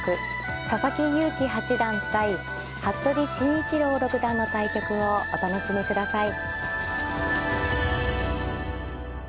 佐々木勇気八段対服部慎一郎六段の対局をお楽しみください。